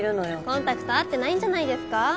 コンタクト合ってないんじゃないですか？